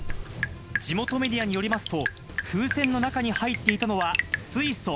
地元メディアによりますと、風船の中に入っていたのは水素。